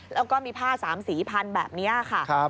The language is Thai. แล้วก็มีผ้า๓สีพันแบบนี้ค่ะ